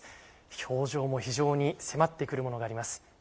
表情も非常に迫ってくるものがあります。